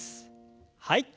はい。